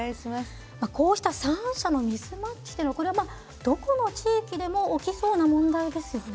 こうした３者のミスマッチというのはこれはどこの地域でも起きそうな問題ですよね。